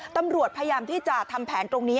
ตำรวจพยายามที่จะทำแผนตรงนี้